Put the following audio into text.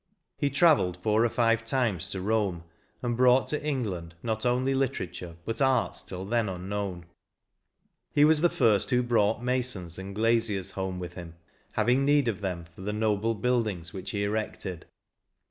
He travelled four or five times to Eome, and brought to England not only literature but arts till then unknown ; he was the first who brpught masons and glaziers home with him, having need of them for the noble buildings which he erected.